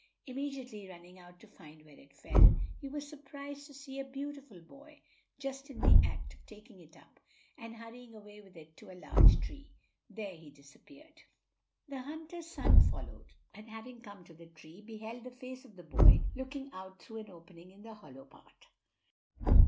Immediately running out to find where it fell, he was surprised to see a beautiful boy just in the act of taking it up and hurrying away with it to a large tree. There he disappeared. The hunter's son followed, and having come to the tree, beheld the face of the boy looking out through an opening in the hollow part.